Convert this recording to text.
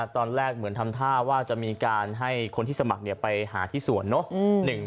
ตอนแรกเหมือนทำท่าว่าจะมีการให้คนที่สมัครไปหาที่สวนเนอะ